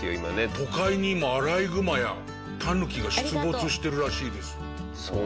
都会にもアライグマやタヌキが出没してるらしいです。